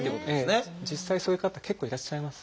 実際そういう方結構いらっしゃいます。